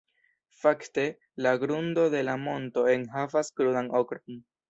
Fakte, la grundo de la monto enhavas krudan okron.